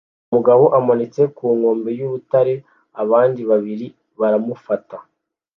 Umugabo amanitse ku nkombe y'urutare abandi babiri baramufata